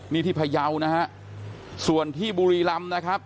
นี่ที่พยาวนะฮะส่วนที่บุรีรำนะครับ